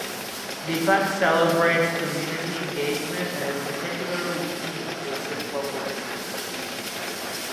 Deepak celebrates community engagement and is particularly keen to assist local businesses.